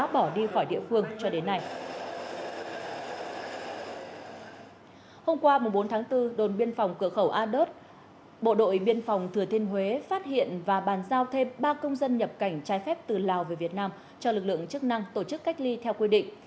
bộ đội biên phòng thừa thiên huế phát hiện và bàn giao thêm ba công dân nhập cảnh trái phép từ lào về việt nam cho lực lượng chức năng tổ chức cách ly theo quy định